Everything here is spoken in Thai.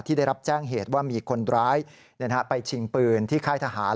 ได้รับแจ้งเหตุว่ามีคนร้ายไปชิงปืนที่ค่ายทหาร